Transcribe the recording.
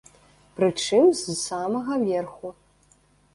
Прычым з самага верху.